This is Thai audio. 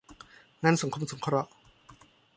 งานสังคมสงเคราะห์